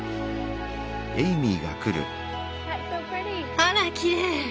あらきれい！